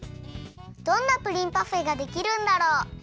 どんなプリンパフェができるんだろう？